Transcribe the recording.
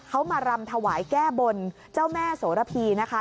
เขามารำถวายแก้บนเจ้าแม่โสระพีนะคะ